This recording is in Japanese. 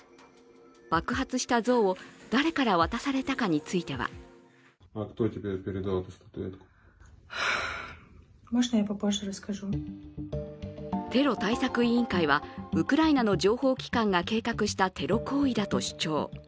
爆発した像を誰から渡されたかについてはテロ対策委員会はウクライナの情報機関が計画したテロ行為だと主張。